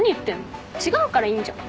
違うからいいんじゃん。